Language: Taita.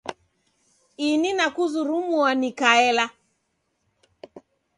Ini nakuzurumua nikaela.